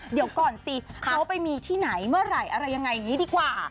เดี๋ยวก่อนสิเขาไปมีที่ไหนเมื่อไหร่อะไรยังไงอย่างนี้ดีกว่า